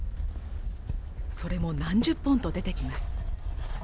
それも何十本と出てきます。